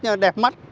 nhưng mà đẹp mắt